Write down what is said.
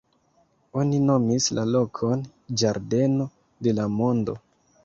Oni nomis la lokon "Ĝardeno de la Mondo".